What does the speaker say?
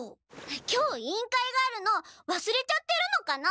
今日委員会があるのわすれちゃってるのかな？